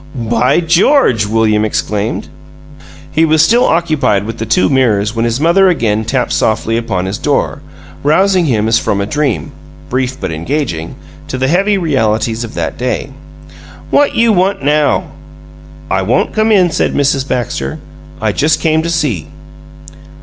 "By GEORGE!" William exclaimed. He was still occupied with the two mirrors when his mother again tapped softly upon his door, rousing him as from a dream (brief but engaging) to the heavy realities of that day. "What you want now?" "I won't come in," said Mrs. Baxter. "I just came to see."